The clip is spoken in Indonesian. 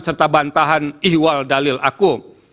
serta bantahan ihwal dalil akum